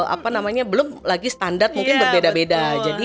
apa namanya belum lagi standar mungkin berbeda beda